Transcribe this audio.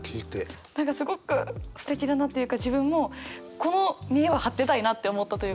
何かすごくすてきだなっていうか自分もこのみえ張ってたいなって思ったっていうか。